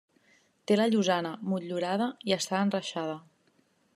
Té la llosana motllurada i està enreixada.